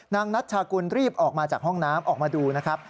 นัชชากุลรีบออกมาจากห้องน้ำออกมาดูนะครับ